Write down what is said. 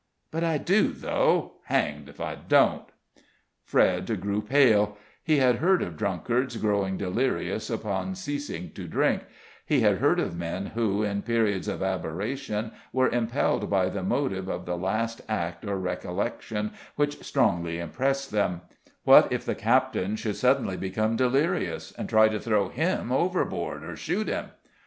But I do, though hanged if I don't!" Fred grew pale: he had heard of drunkards growing delirious upon ceasing to drink; he had heard of men who, in periods of aberration, were impelled by the motive of the last act or recollection which strongly impressed them; what if the captain should suddenly become delirious, and try to throw him overboard or shoot him?